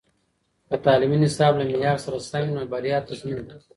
که تعلیمي نصاب له معیار سره سم وي، نو بریا تضمین ده.